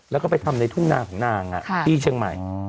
แล้วก็ไปทำในทุ่งนาของนางที่เชียงใหม่